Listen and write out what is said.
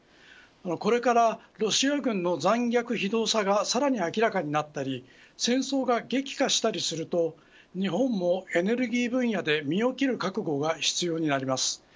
これからロシア軍の残虐非道さがさらに明らかになったり戦争が激化したりすると日本もエネルギー分野で身を切る覚悟が必要になります。